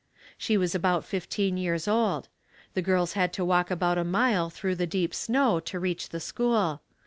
She was about fifteen years old. The girls had to walk about a mile through the deep snow to reach the school.